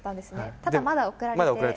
ただ、まだ送られて？